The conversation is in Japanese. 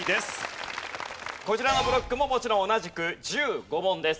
こちらのブロックももちろん同じく１５問です。